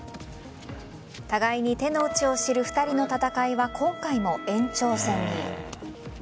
互いに手の内を知る２人の戦いは今回も延長戦に。